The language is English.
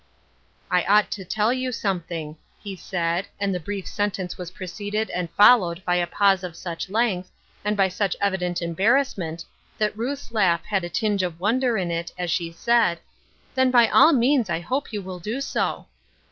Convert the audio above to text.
'I ought to teU you something," h«f said, and the brief sentence was preceded and fol lowed by a pause of such length, and by such evident embarrassment, that Ruth's laugh had a tinge of wonder in it, as she said, " Then, by all means I hope you will do so."